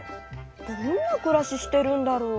どんなくらししてるんだろう？